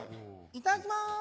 いただきます